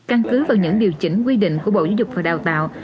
căn cứ vào những điều chỉnh quy định của bộ giáo dục và đào tạo